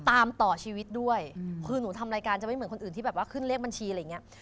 ต่อชีวิตด้วยคือหนูทำรายการจะไม่เหมือนคนอื่นที่แบบว่าขึ้นเลขบัญชีอะไรอย่างเงี้ย